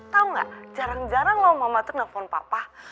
tau gak jarang jarang loh mama tuh nelfon papa